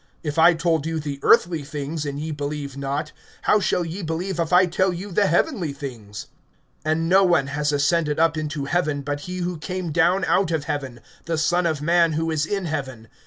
(12)If I told you the earthly things, and ye believe not, how shall ye believe, if I tell you the heavenly things? (13)And no one has ascended up into heaven, but he who came down out of heaven, the Son of man who is in heaven.